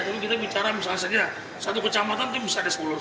tapi kita bicara misalnya satu kecamatan itu bisa ada sepuluh suku